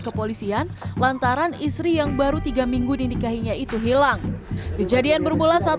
kepolisian lantaran istri yang baru tiga minggu dinikahinya itu hilang kejadian bermula saat